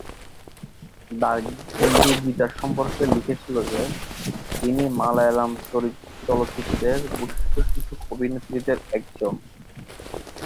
The Hindu Gita সম্পর্কে লিখেছিল যে, তিনি "মালয়ালম চলচ্চিত্রের বৈশিষ্ট্যসূচক অভিনেত্রীদের একজন"।